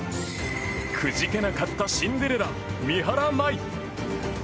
くじけなかったシンデレラ三原舞依。